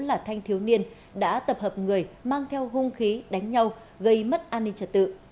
là thanh thiếu niên đã tập hợp người mang theo hung khí đánh nhau gây mất an ninh trật tự